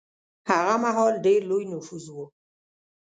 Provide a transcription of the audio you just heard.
هغه مهال ډېر لوی نفوس و.